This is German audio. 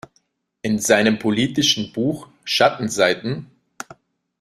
In seinem politischen Buch "Schattenseiten.